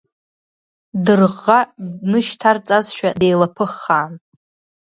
Дырӷӷа днышьҭарҵазшәа, деилаԥыххаан.